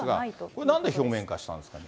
これ、なんで表面化したんですかね？